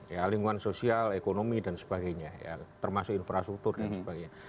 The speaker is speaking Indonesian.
ya lingkungan sosial ekonomi dan sebagainya ya termasuk infrastruktur dan sebagainya